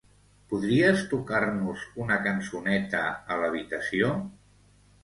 Podries tocar-nos una cançoneta a l'habitació?